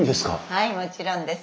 はいもちろんです。